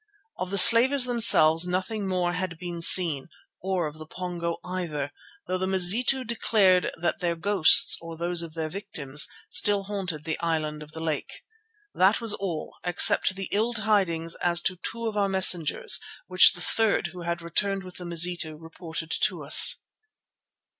Of the slavers themselves nothing more had been seen, or of the Pongo either, though the Mazitu declared that their ghosts, or those of their victims, still haunted the island in the lake. That was all, except the ill tidings as to two of our messengers which the third, who had returned with the Mazitu, reported to us.